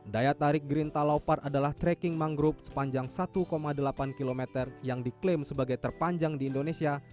daya tarik green talaupar adalah trekking mangrove sepanjang satu delapan km yang diklaim sebagai terpanjang di indonesia